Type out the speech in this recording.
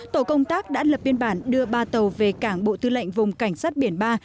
tổ công tác đã lập biên bản đưa ba tàu về cảng bộ tư lệnh vùng cảnh sát biển ba